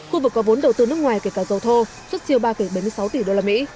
khu vực có vốn đầu tư nước ngoài kể cả dầu thô xuất siêu ba bảy mươi sáu tỷ usd